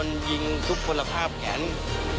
มันก็ยังอยากถามว่าทำไมต้องเป็นลูกของด้วย